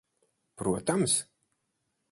Protams.